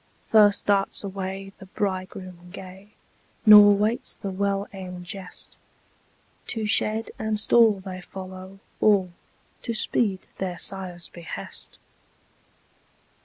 First darts away the bridegroom gay, Nor waits the well aimed jest: To shed and stall they follow, all, To speed their sire's behest.